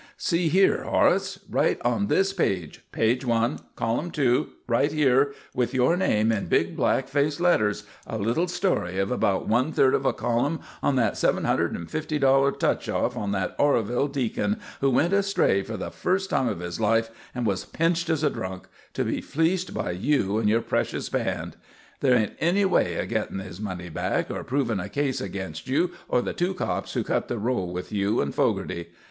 "See her, Horace? Right on this page page one, column two, right here, with your name in big black face letters a little story of about one third of a column on that $750 touch off on that Oroville deacon, who went astray for the first time of his life and was pinched as a drunk to be fleeced by you and your precious band. There isn't any way of getting his money back, or proving a case against you or the two cops who cut the roll with you and Fogarty.